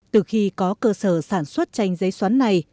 từ khi có cơ sở sản xuất tranh giấy xoắn này